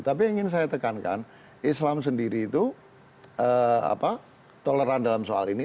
tapi ingin saya tekankan islam sendiri itu toleran dalam soal ini